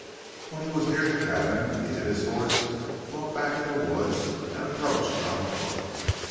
When he was near the cabin, he hid his horse well back in the woods and approached on foot.